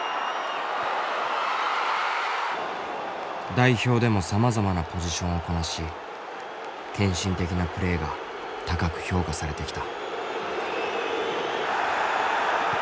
代表でもさまざまなポジションをこなし献身的なプレーが高く評価されてきた。